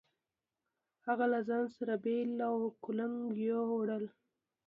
هغه له ځان سره بېل او کُلنګ يو وړل.